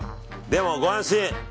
でもご安心。